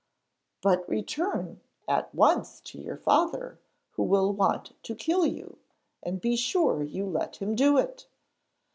'But return at once to your father who will want to kill you; and be sure you let him do it.'